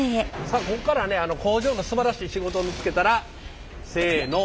さあここからはね工場のすばらしい仕事を見つけたらせの。